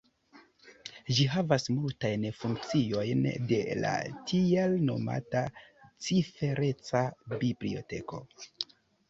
Ĝi havas multajn funkciojn de la tiel nomata cifereca biblioteko.